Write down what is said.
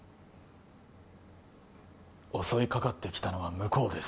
襲いかかってきたのは向こうです